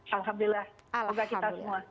alhamdulillah juga kita semua